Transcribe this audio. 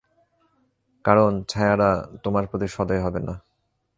কারণ ছায়ারা তোমার প্রতি সদয় হবে না।